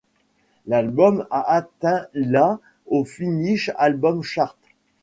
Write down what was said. L'album a atteint la aux Finnish Albums Chart.